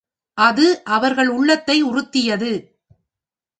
அது அவர்கள் உள்ளத்தை உறுத்தியது.